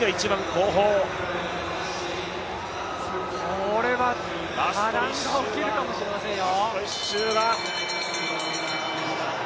これは波瀾が起きるかもしれませんよ。